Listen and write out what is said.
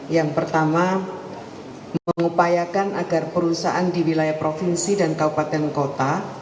yang pertama mengupayakan agar perusahaan di wilayah provinsi dan kabupaten kota